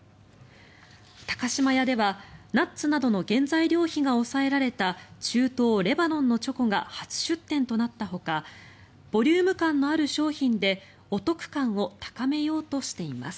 高島屋では、ナッツなどの原材料費が抑えられた中東レバノンのチョコが初出店となったほかボリューム感のある商品でお得感を高めようとしています。